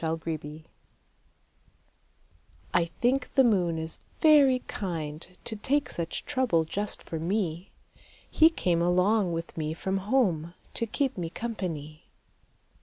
II The Kind Moon I think the moon is very kind To take such trouble just for me. He came along with me from home To keep me company.